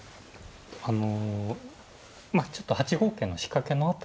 あのまあちょっと８五桂の仕掛けの辺りから